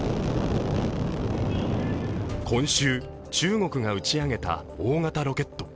今週、中国が打ち上げた大型ロケット。